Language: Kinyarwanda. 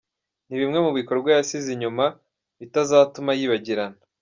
ni bimwe mu bikorwa yasize inyuma bitazatuma yibagirana.